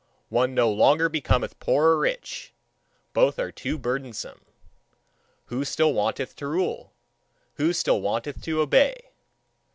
One no longer becometh poor or rich; both are too burdensome. Who still wanteth to rule? Who still wanteth to obey?